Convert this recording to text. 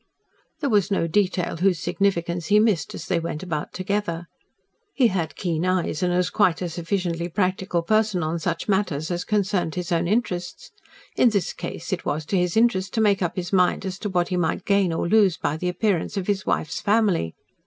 There was no detail whose significance he missed as they went about together. He had keen eyes and was a quite sufficiently practical person on such matters as concerned his own interests. In this case it was to his interest to make up his mind as to what he might gain or lose by the appearance of his wife's family.